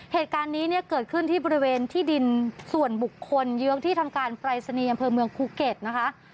เหตุการณ์นี้เนี่ยเกิดขึ้นที่บริเวณที่ดินส่วนบุคคลเยื้องที่ทำการปรายศนีย์อำเภอเมืองภูเก็ตนะคะ